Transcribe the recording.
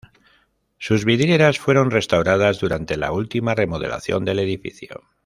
Sus vidrieras fueron restauradas durante la última remodelación del edificio.